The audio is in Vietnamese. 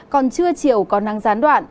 còn trưa chiều còn nắng gián đoạn